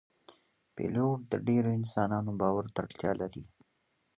پیلوټ د ډیرو انسانانو باور ته اړتیا لري.